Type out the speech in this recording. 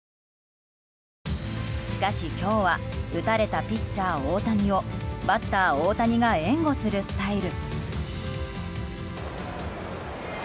しかし、今日は打たれたピッチャー大谷をバッター大谷が援護するスタイル。